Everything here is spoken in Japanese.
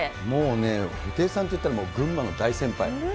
もうね、布袋さんといったら、もう群馬の大先輩。